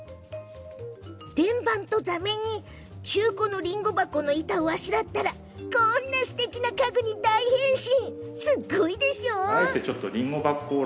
天板と座面に中古のりんご箱の板をあしらったところこんなすてきな家具に大変身！